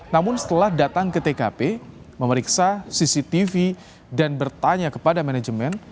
namun setelah datang ke tkp memeriksa cctv dan bertanya kepada manajemen